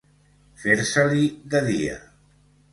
Fer-se-li de dia.